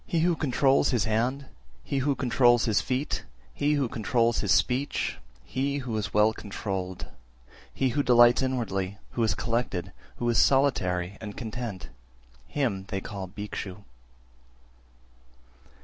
362. He who controls his hand, he who controls his feet, he who controls his speech, he who is well controlled, he who delights inwardly, who is collected, who is solitary and content, him they call Bhikshu.